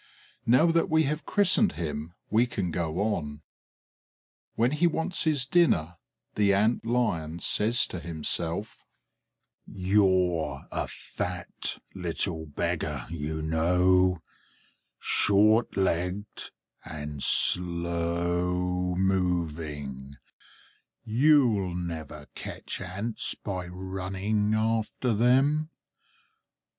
Now that we have christened him we can go on. When he wants his dinner, the Ant lion says to himself: "You're a fat little beggar, you know, short legged and slow moving; you'll never catch Ants by running after them.